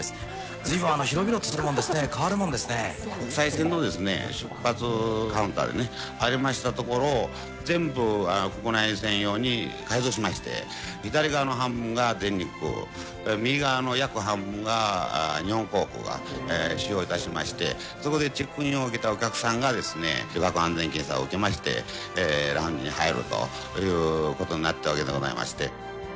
ずいぶん広々とするもんですね、国際線のですね、出発カウンターがありました所を、全部国内線用に改造しまして、左側の半分が全日空、右側の約半分が日本航空が使用いたしまして、そこでチェックインを受けたお客さんがですね、旅客安全検査を受けまして、ラウンジに入るということになったわけでございまして。